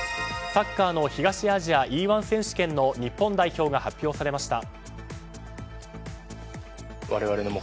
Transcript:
サッカーの東アジアＥ‐１選手権の日本代表が発表されました。